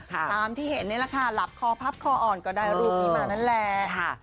ตามที่เห็นนี่แหละค่ะหลับคอพับคออ่อนก็ได้รูปนี้มานั่นแหละ